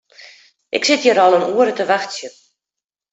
Ik sit hjir al in oere te wachtsjen.